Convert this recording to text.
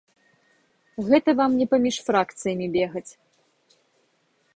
Гэта вам не паміж фракцыямі бегаць.